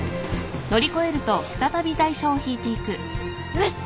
よし。